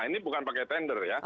ini bukan pakai tender ya